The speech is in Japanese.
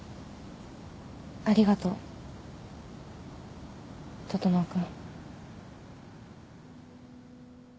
ありがとう整君。